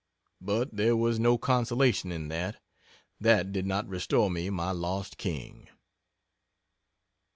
But there was no consolation in that. That did not restore me my lost king.